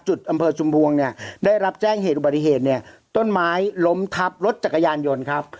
จุดอำเภอชุมพวงได้รับแจ้งเหตุบริเหตุต้นไม้ล้มทับรถจักรยานยนต์ครับ